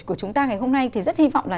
của chúng ta ngày hôm nay thì rất hy vọng là